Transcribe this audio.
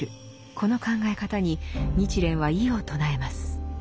この考え方に日蓮は異を唱えます。